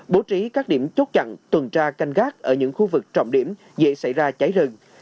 bố trí các điểm chốt chặn tuần tra canh gác ở những khu vực trọng điểm dễ xảy ra cháy rừng